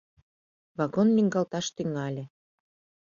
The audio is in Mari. Вагон лӱҥгалташ тӱҥале.